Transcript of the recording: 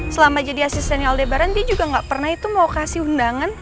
selama jadi asistennya aldebaran dia juga gak pernah itu mau kasih undangan